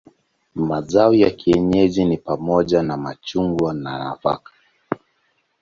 Mazao ya kienyeji ni pamoja na machungwa na nafaka.